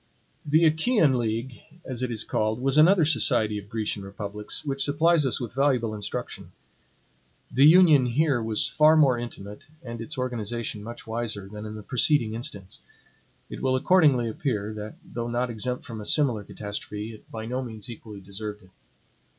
The Achaean league, as it is called, was another society of Grecian republics, which supplies us with valuable instruction. The Union here was far more intimate, and its organization much wiser, than in the preceding instance. It will accordingly appear, that though not exempt from a similar catastrophe, it by no means equally deserved it.